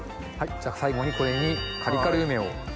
じゃ最後にこれにカリカリ梅を。